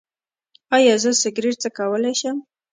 ایا زه سګرټ څکولی شم؟